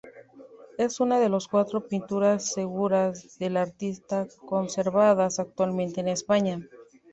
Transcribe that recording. Es una de las cuatro pinturas seguras del artista conservadas actualmente en España.